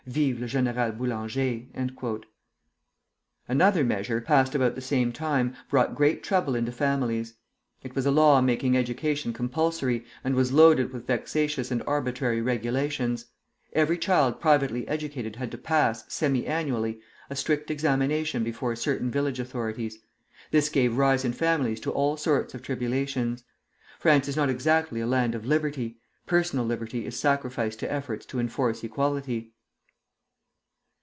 "Vive le Général Boulanger!" Another measure, passed about the same time, brought great trouble into families. It was a law making education compulsory, and was loaded with vexatious and arbitrary regulations. Every child privately educated had to pass, semi annually, a strict examination before certain village authorities. This gave rise in families to all sorts of tribulations. France is not exactly a land of liberty; personal liberty is sacrificed to efforts to enforce equality.